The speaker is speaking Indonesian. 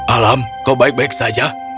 alam kau baik baik saja